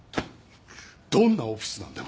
どんなオフィスなんだよ